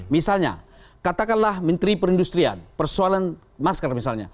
misalnya katakanlah menteri perindustrian persoalan masker misalnya